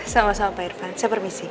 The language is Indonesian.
sama sama pak irfan saya permisi